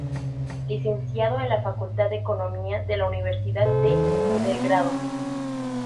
Licenciado en la Facultad de Economía de la Universidad de Belgrado.